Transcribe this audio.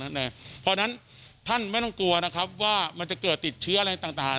เพราะฉะนั้นท่านไม่ต้องกลัวนะครับว่ามันจะเกิดติดเชื้ออะไรต่าง